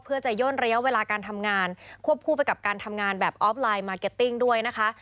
เพื่อจะย่นระยะเวลาการทำงานควบคู่ไปกับการทำงานแบบออฟไลน์มาร์เก็ตติ้งด้วยนะคะ